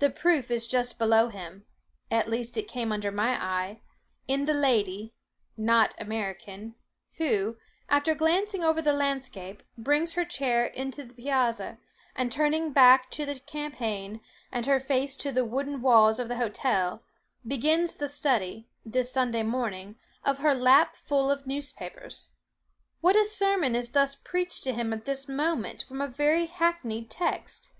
The proof is just below him, (at least, it came under my eye,) in the lady (not American) who, after glancing over the landscape, brings her chair into the piazza, and turning her back to the champaign, and her face to the wooden walls of the hotel, begins the study, this Sunday morning, of her lap full of newspapers. What a sermon is thus preached to him at this moment from a very hackneyed text!